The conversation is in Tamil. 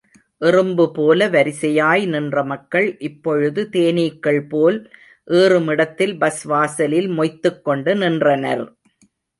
எறும்புபோல வரிசையாய் நின்ற மக்கள், இப்பொழுது தேனீக்கள் போல் ஏறுமிடத்தில் பஸ் வாசலில் மொய்த்துக் கொண்டு நின்றனர்.